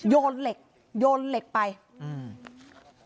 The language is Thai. โยนเหล็กโยนเหล็กไปอืม